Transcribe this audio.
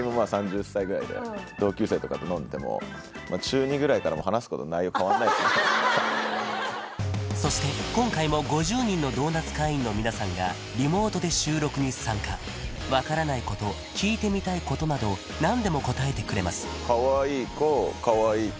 同級生とかと飲んでてもそして今回も５０人のドーナツ会員の皆さんがリモートで収録に参加分からないこと聞いてみたいことなど何でも答えてくれます